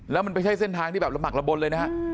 แล้วมันไปใช้เส้นทางที่แบบหลับหลับบนเลยนะฮะ